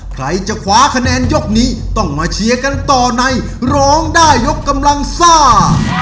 ใครจะคว้าคะแนนยกนี้ต้องมาเชียร์กันต่อในร้องได้ยกกำลังซ่า